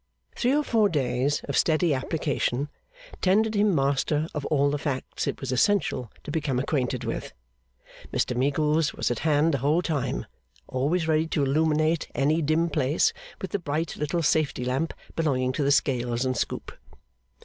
Three or four days of steady application tendered him master of all the facts it was essential to become acquainted with. Mr Meagles was at hand the whole time, always ready to illuminate any dim place with the bright little safety lamp belonging to the scales and scoop.